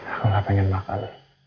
aku nggak pengen makan